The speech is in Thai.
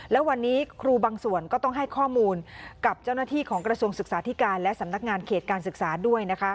และวันนี้ครูบางส่วนก็ต้องให้ข้อมูลกับเจ้าหน้าที่ของกระทรวงศึกษาธิการและสำนักงานเขตการศึกษาด้วยนะคะ